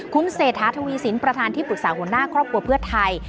คุณเศรษฐาทวีสินประธานที่ปรึกษาหัวหน้าครอบครัวเพื่อไทย